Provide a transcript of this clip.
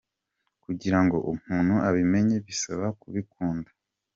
Kugira ngo umuntu abimenye bisaba kubikunda .